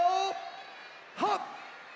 はっ！